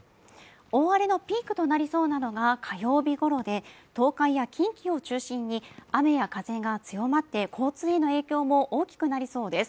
大荒れのピークとなりそうなのが火曜日ごろで東海や近畿を中心に雨や風が強まって交通への影響も大きくなりそうです